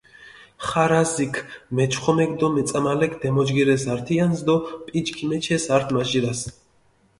ხარაზიქ, მეჩხომექ დო მეწამალექ დემოჯგირეს ართიანსჷ დო პიჯი ქიმეჩეს ართი-მაჟირას.